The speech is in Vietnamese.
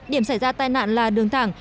điểm xảy ra tai nạn là đường thẳng